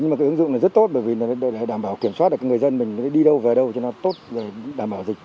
nhưng mà cái ứng dụng này rất tốt bởi vì đảm bảo kiểm soát được người dân mình đi đâu về đâu cho nó tốt rồi đảm bảo dịch